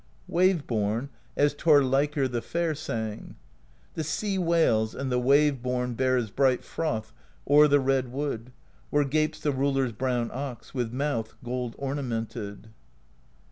Wave Borne, as Thorleikr the Fair sang: The sea wails, and the Wave Borne Bears bright froth o'er the red wood. Where gapes the Roller's Brown Ox, With mouth gold ornamented.